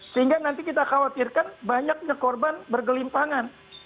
sehingga nanti kita khawatirkan banyaknya korban bergelimpangan